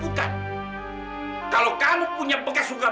buktikan kalau kamu memang putri kami atau bukan